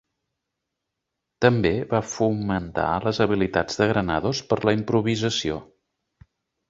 També va fomentar les habilitats de Granados per la improvisació.